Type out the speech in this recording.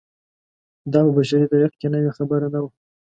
دا په بشري تاریخ کې نوې خبره نه وه.